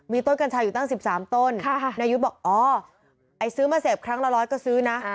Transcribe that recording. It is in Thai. ต้นกัญชาอยู่ตั้ง๑๓ต้นนายุทธ์บอกอ๋อไอ้ซื้อมาเสพครั้งละร้อยก็ซื้อนะ